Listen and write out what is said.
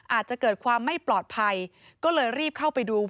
อาจจะเกิดความไม่ปลอดภัยก็เลยรีบเข้าไปดู